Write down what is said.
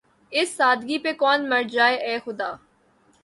اس سادگی پہ کون مر جائے‘ اے خدا!